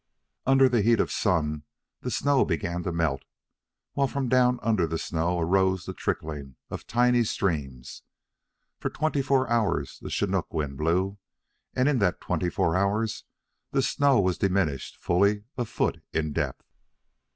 Under the heat of the sun, the snow began to melt, while from down under the snow arose the trickling of tiny streams. For twenty four hours the Chinook wind blew, and in that twenty four hours the snow was diminished fully a foot in depth.